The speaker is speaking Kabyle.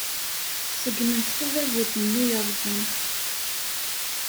Ṣeggment tadabut-nni yerrẓen.